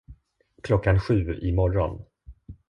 Klockan sju i morgon.